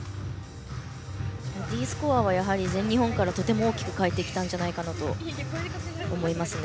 Ｄスコアは全日本から大きく変えてきたんじゃないかなと思いますね。